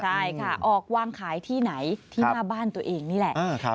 ใช่ค่ะออกวางขายที่ไหนที่หน้าบ้านตัวเองนี่แหละ